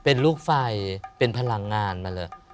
เป็นลูกไฟเป็นพลังงานมาเลย